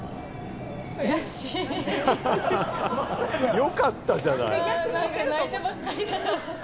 よかったじゃない。